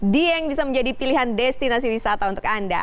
dieng bisa menjadi pilihan destinasi wisata untuk anda